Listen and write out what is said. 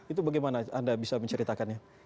itu bagaimana anda bisa menceritakannya